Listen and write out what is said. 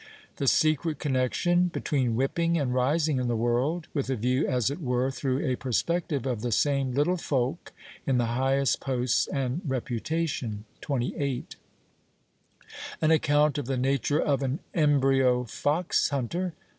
] The secret connexion between WHIPPING and RISING IN THE WORLD, with a view, as it were, through a perspective, of the same LITTLE FOLK in the highest posts and reputation 28 An account of the nature of an EMBRYO FOX HUNTER.